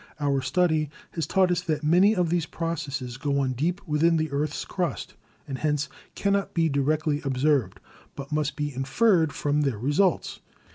Our study has taught us that many of these processes go on deep within the earth's crust, and hence cannot be directly ob served, but must be inferred from their results.